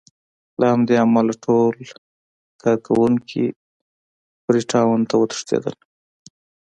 له همدې امله ټول کارکوونکي فري ټاون ته وتښتېدل.